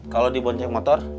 kalau di boncek motor